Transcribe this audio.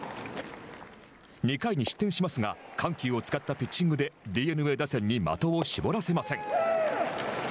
２回に失点しますが緩急を使ったピッチングでＤｅＮＡ打線に的を絞らせません。